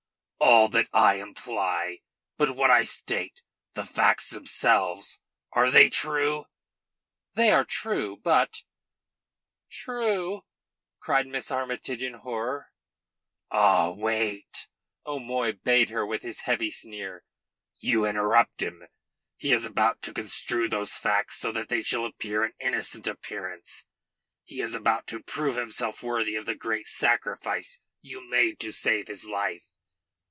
"All that I imply? But what I state the facts themselves, are they true?" "They are true. But " "True!" cried Miss Armytage in horror. "Ah, wait," O'Moy bade her with his heavy sneer. "You interrupt him. He is about to construe those facts so that they shall wear an innocent appearance. He is about to prove himself worthy of the great sacrifice you made to save his life.